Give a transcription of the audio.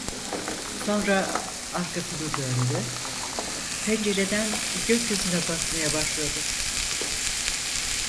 Sonra arkasını döndü, pencereden gökyüzüne bakmaya başladı.